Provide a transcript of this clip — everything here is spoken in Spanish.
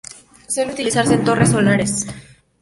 Suele utilizarse en torres solares.